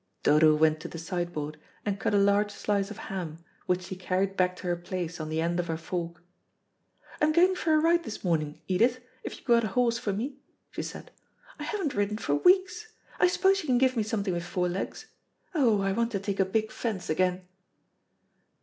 Dodo went to the sideboard and cut a large slice of ham, which she carried back to her place on the end of her fork. "I'm going for a ride this morning, Edith, if you've got a horse for me," she said. "I haven't ridden for weeks. I suppose you can give me something with four legs. Oh, I want to take a big fence again."